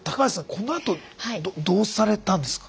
このあとどうされたんですか。